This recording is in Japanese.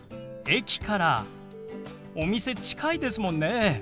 駅からお店近いですもんね。